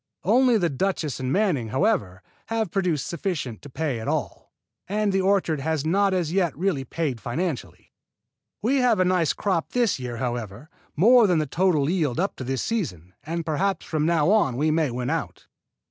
Only the Duchess and Manning, however, have produced sufficient to pay at all, and the orchard has not as yet really paid financially. We have a nice crop this year, however, more than the total yield up to this season, and perhaps from now on we may win out.